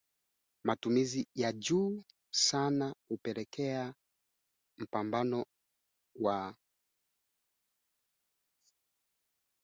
Idadi ya wanyama wanaokufa baada ya kuambukizwa ugonjwa huu huwa juu